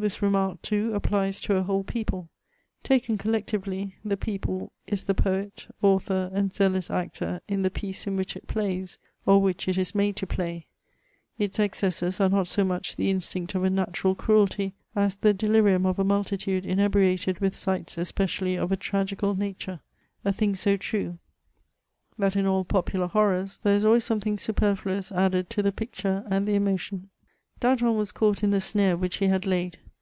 This remark, too, applies to a whole people; taken collectively, the people is the poet, author, and zealous actor in the piece in which it plays, or which it is made to play. Its excesses are not so much the instinct of a natural cruelty, as the delirium of a multitude inebriated with sights especially of a tragical nature ; a thing so true, that in all 324 HEMOIBS OF popular hoRon, there is always somiRthing Bupexfluous added to the picture and the emotioii. DantOEL was caught in the snaie which he had laid.